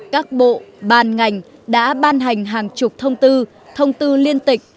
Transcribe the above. các bộ ban ngành đã ban hành hàng chục thông tư thông tư liên tịch